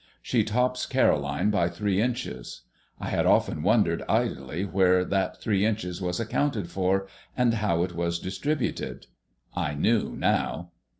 She tops Caroline by three inches. I had often wondered idly where that three inches was accounted for, and how it was distributed. I knew now.